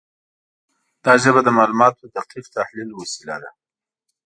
دا ژبه د معلوماتو د دقیق تحلیل وسیله ده.